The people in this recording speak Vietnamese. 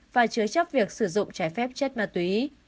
và chứa chấp việc sử dụng trái phép chất ma túy